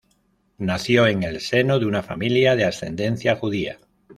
Nació en el seno de una familia de ascendencia judía.